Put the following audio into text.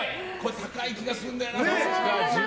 高い気がするんだよな。